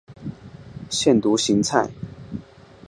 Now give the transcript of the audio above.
腺独行菜